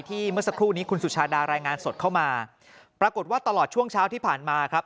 เมื่อสักครู่นี้คุณสุชาดารายงานสดเข้ามาปรากฏว่าตลอดช่วงเช้าที่ผ่านมาครับ